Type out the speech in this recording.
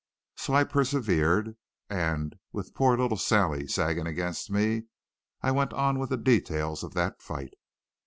So I persevered, and, with poor little Sally sagging against me, I went on with the details of that fight.